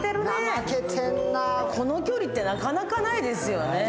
この距離ってなかなかないですよね。